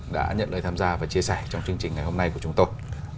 đã nhận lời tham gia và chia sẻ trong chương trình ngày hôm nay của chúng tôi